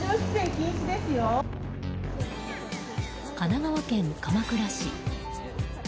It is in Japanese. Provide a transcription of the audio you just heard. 神奈川県鎌倉市。